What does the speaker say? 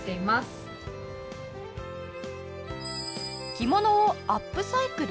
着物をアップサイクル？